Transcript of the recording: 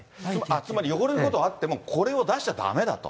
つまり汚れることはあっても、これを出しちゃだめだと。